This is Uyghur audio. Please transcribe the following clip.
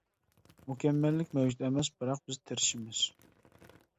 مۇكەممەللىك مەۋجۇت ئەمەس، بىراق بىز تىرىشىمىز!